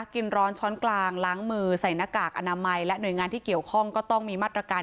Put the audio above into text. กินร้อนช้อนกลางล้างมือใส่หน้ากากอนามัยและหน่วยงานที่เกี่ยวข้องก็ต้องมีมาตรการ